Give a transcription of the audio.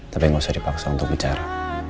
tapi nggak usah dipaksa untuk bicara